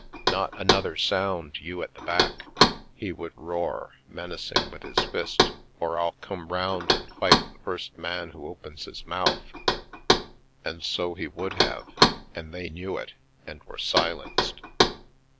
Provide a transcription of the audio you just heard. " Not another sound, you at the back," he would roar, menacing with his fist, "or I'll come round and fight the first man who opens his mouth !" And so he would have, and they knew it, and were silenced.